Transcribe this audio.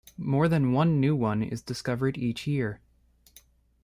More than one new one is discovered each year.